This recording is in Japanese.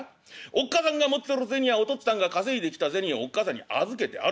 おっ母さんが持ってる銭はお父っつぁんが稼いできた銭をおっ母さんに預けてあるの。